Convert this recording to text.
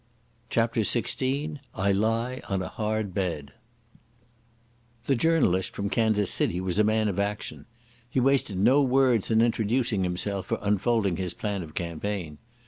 CHAPTER XVI I Lie on a Hard Bed The journalist from Kansas City was a man of action. He wasted no words in introducing himself or unfolding his plan of campaign.